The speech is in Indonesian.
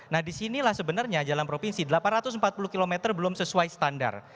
nah disinilah sebenarnya jalan provinsi delapan ratus empat puluh km belum sesuai standar